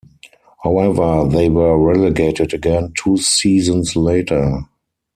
However, they were relegated again two seasons later.